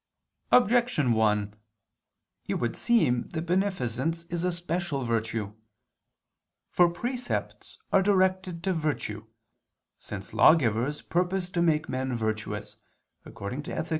Objection 1: It would seem that beneficence is a special virtue. For precepts are directed to virtue, since lawgivers purpose to make men virtuous (Ethic.